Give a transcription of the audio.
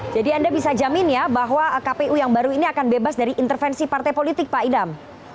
jadi anda bisa jamin ya bahwa kpu yang baru ini akan bebas dari intervensi partai politik pak idam